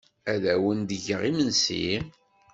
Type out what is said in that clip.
Ad awen-d-geɣ imensi?